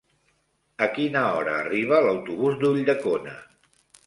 A quina hora arriba l'autobús d'Ulldecona?